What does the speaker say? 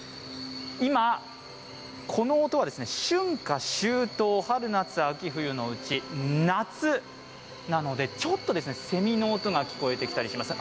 今、この音は春夏秋冬のうち夏なのでちょっとセミの音が聞こえてきたりします。